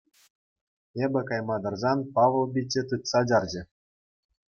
Эпӗ кайма тӑрсан, Павӑл пичче тытса чарчӗ.